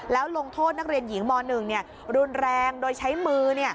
แล้วลงโทษนักเรียนหญิงม๑รุนแรงโดยใช้มือ